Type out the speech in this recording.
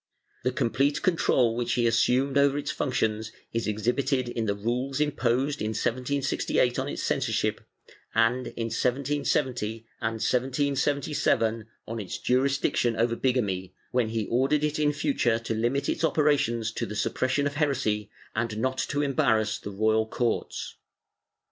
The complete control which he assumed over its functions is exhibited in tli^e rules imposed, in 1768, on its censorship and, in 1770 and 1777, on its jurisdiction over bigamy, when he ordered it in future to limit its operations to the suppression of heresy and not to embar rass the royal courts.